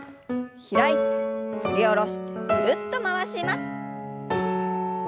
開いて振り下ろしてぐるっと回します。